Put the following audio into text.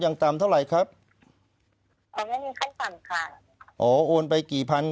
ยังต่ำเท่าไหร่ครับอ๋อไม่มีขั้นต่ำค่ะอ๋อโอนไปกี่พัน